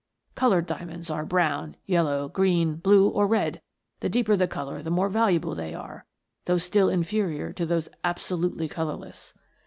Coloured diamonds are brown, yellow, green, blue, or red, the deeper the colour the more valu able they are, though still inferior to those abso lutely colourless.